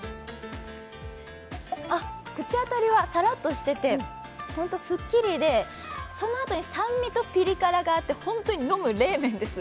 あっ、口当たりはさらっとしてて、ほんとスッキリで、そのあとに酸味とピリ辛があって本当に飲む冷麺です。